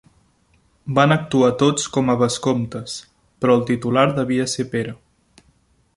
Van actuar tots com a vescomtes, però el titular devia ser Pere.